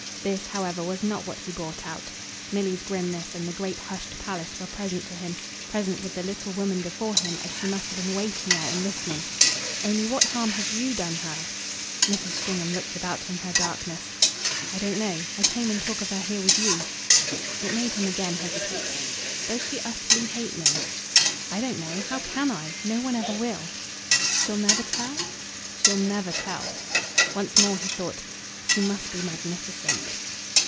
This, however, was not what he brought out. Milly's "grimness" and the great hushed palace were present to him; present with the little woman before him as she must have been waiting there and listening. "Only, what harm have YOU done her?" Mrs. Stringham looked about in her darkness. "I don't know. I come and talk of her here with you." It made him again hesitate. "Does she utterly hate me?" "I don't know. How CAN I? No one ever will." "She'll never tell?" "She'll never tell." Once more he thought. "She must be magnificent."